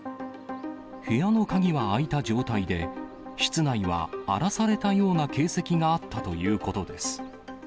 部屋の鍵は開いた状態で、室内は荒らされたような形跡があったということです。